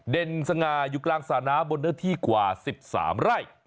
เด่นสง่าอยู่กลางสระน้ำบนเนื้อที่กว่า๑๓ไร่